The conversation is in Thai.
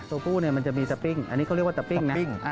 ตัวผู้มันจะมีตับปิ้งอันนี้เขาเรียกว่าตับปิ้งนะ